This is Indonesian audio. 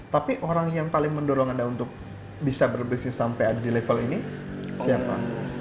tapi orang yang paling mendorong anda untuk bisa berbisnis sampai ada di level ini siapa